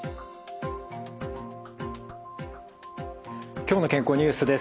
「きょうの健康ニュース」です。